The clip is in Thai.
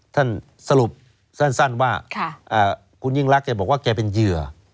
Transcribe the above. สรุปสั้นว่าคุณยิ่งรักแกบอกว่าแกเป็นเหยื่อ